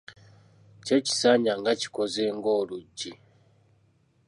Kye kisanja nga kikoze ng'oluggi.